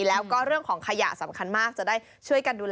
แล้วก็เรื่องของขยะสำคัญมาก